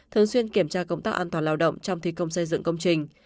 thường xuyên kiểm tra công tác an toàn lao động trong thi công xây dựng công trình